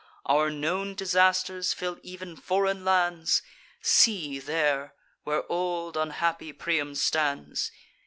Our known disasters fill ev'n foreign lands: See there, where old unhappy Priam stands!